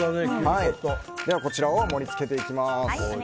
こちらを盛り付けていきます。